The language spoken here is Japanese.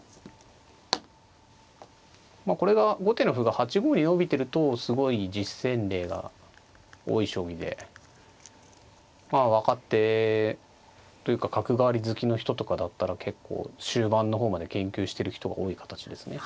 まあこれが後手の歩が８五に伸びてるとすごい実戦例が多い将棋でまあ若手というか角換わり好きの人とかだったら結構終盤の方まで研究してる人が多い形ですね。